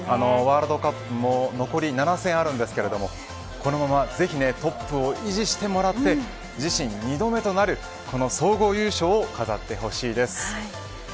ワールドカップも残り７戦ありますがこのままぜひトップを維持してもらって自身２度目となるこの総合優勝飾ってほしいです。